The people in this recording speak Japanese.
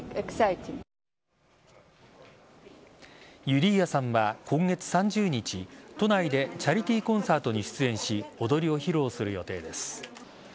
ユリーアさんは今月３０日都内でチャリティーコンサートに出演し踊りを披露する予定です。